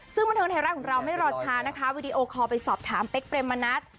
ซึ่งบันเทิงไทยรัฐของเราไม่รอช้านะคะวิดีโอคอลไปสอบถามเป๊กเปรมมะนัด